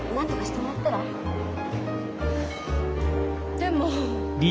でも。